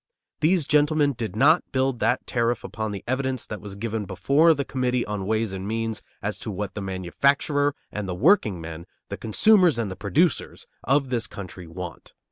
These gentlemen did not build that tariff upon the evidence that was given before the Committee on Ways and Means as to what the manufacturer and the workingmen, the consumers and the producers, of this country want.